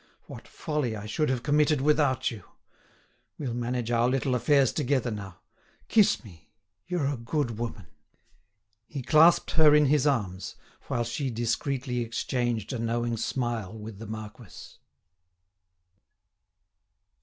What folly I should have committed without you! We'll manage our little affairs together now. Kiss me: you're a good woman." He clasped her in his arms, while she discreetly exchanged a knowing smile with the marquis.